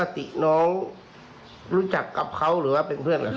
ปกติน้องรู้จักกับเขาหรือว่าเป็นเพื่อนหรือเขา